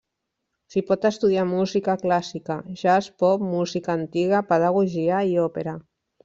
S'hi pot estudiar música clàssica, jazz, pop, música antiga, pedagogia i òpera.